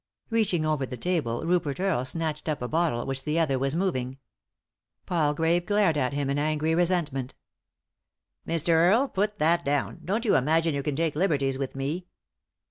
Reaching over the table Rupert Earle snatched up a bottle which the other was moving. Palgrave glared at him in angry resentment " Mr. Earle I Put that down ; don't you imagine you can take liberties with me."